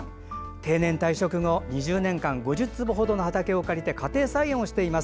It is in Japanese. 定年退職後２０年間５０坪ほどの畑を借りて家庭菜園をしています。